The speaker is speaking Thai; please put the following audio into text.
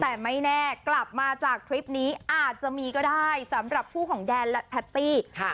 แต่ไม่แน่กลับมาจากคลิปนี้อาจจะมีก็ได้สำหรับคู่ของแดนและแพตตี้ค่ะ